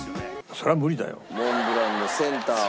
そりゃ無理だよ。